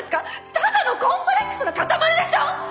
ただのコンプレックスの塊でしょ